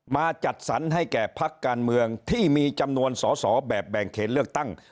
จัดสรรให้แก่พักการเมืองที่มีจำนวนสอสอแบบแบ่งเขตเลือกตั้ง